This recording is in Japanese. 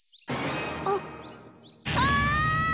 あっあ！